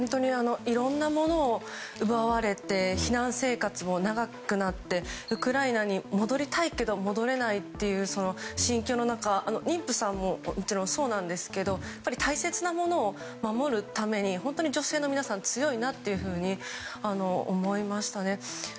いろんなものを奪われて避難生活も長くなってウクライナに戻りたいけど戻れないという心境の中、妊婦さんもそうなんですけど大切なものを守るために本当に女性の皆さん強いなと思いましたね。